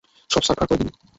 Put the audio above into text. সব ছারখার করে দিলি।